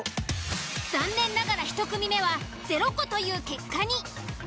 残念ながら１組目は０個という結果に。